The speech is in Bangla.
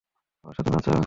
ওর সাথে নাচো।